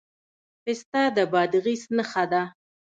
پسته د بادغیس نښه ده.